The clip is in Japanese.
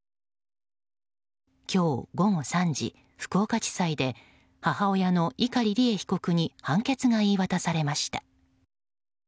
今日午後３時、福岡地裁で母親の碇利恵被告に判決が言い渡されました。